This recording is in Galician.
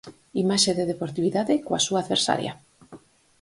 Imaxe de deportividade coa súa adversaria.